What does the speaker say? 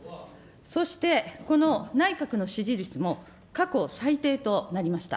そして、この内閣の支持率も過去最低となりました。